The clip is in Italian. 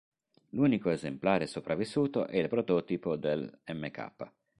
L'unico esemplare sopravvissuto è il prototipo del Mk.